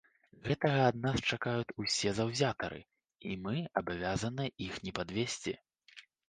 Гэтага ад нас чакаюць усе заўзятары, і мы абавязаныя іх не падвесці.